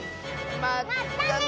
まったね！